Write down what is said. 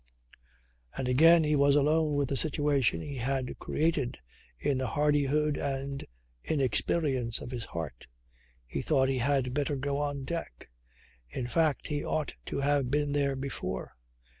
And again he was alone with the situation he had created in the hardihood and inexperience of his heart. He thought he had better go on deck. In fact he ought to have been there before.